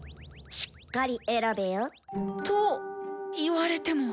しっかり選べよ。と言われても。